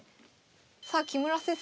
さあ木村先生